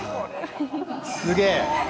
すげえ。